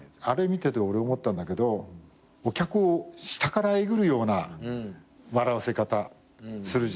あれ見てて俺思ったんだけどお客を下からえぐるような笑わせ方するじゃん。